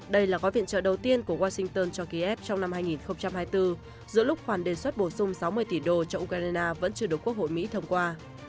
đây là gói viện trợ đầu tiên của washington cho kiev trong năm hai nghìn hai mươi bốn giữa lúc khoản đề xuất bổ sung sáu mươi tỷ đô cho ukraine vẫn chưa được quốc hội mỹ thông qua